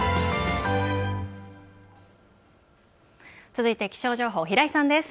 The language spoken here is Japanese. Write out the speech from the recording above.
続いて気象情報、平井さんです。